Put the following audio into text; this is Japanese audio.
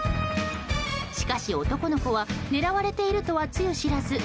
しかし男の子は狙われているとはつゆ知らず。